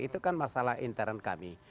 itu kan masalah intern kami